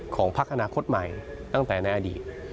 พักอนาคตใหม่ตั้งแต่ในอดีต